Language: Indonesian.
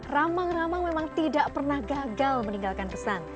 ramang ramang memang tidak pernah gagal meninggalkan pesan